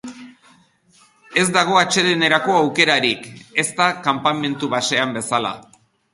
Ez dago atsedenerako aukerarik, ez da kanpamendu basean bezala.